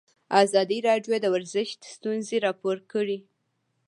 ازادي راډیو د ورزش ستونزې راپور کړي.